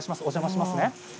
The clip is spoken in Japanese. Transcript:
お邪魔します。